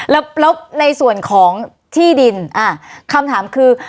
แล้วในส่วนของที่ดินคำถามคือ